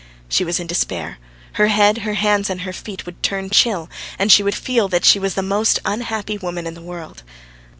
She was in despair. Her head, her hands, and her feet would turn chill, and she would feel that she was the most unhappy woman in the world.